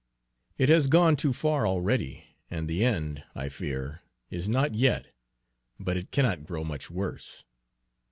"It has gone too far, already, and the end, I fear, is not yet; but it cannot grow much worse."